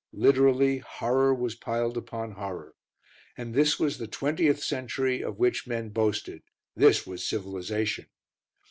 Literally, horror was piled upon horror. And this was the twentieth century of which men boasted; this was civilisation!